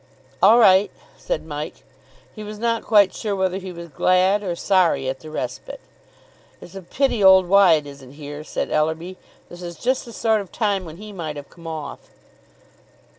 "All right," said Mike. He was not quite sure whether he was glad or sorry at the respite. "It's a pity old Wyatt isn't here," said Ellerby. "This is just the sort of time when he might have come off."